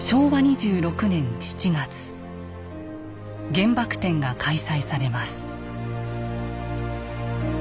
原爆展が開催されます。